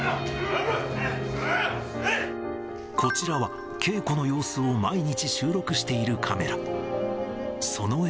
こちらは稽古の様子を毎日収録しているカメラ。